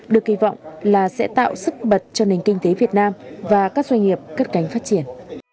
được kỳ vọng là sẽ tạo sức bật cho nền kinh tế việt nam và các doanh nghiệp cất cánh phát triển